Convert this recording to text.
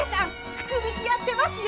福引やってますよ。